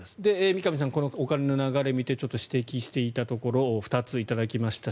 三上さん、このお金の流れを見て指摘していたところを２ついただきました。